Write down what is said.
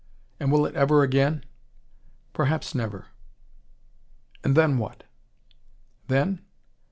"And will it ever again?" "Perhaps never." "And then what?" "Then?